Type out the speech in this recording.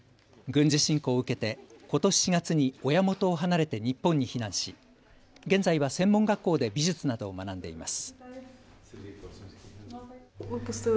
軍事侵攻を受けて、ことし４月に親元を離れて日本に避難し、現在は専門学校で美術などを学んでいます。